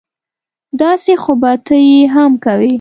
داسې خو به ته یې هم کوې